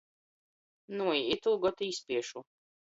Nui, itūgod īspiešu.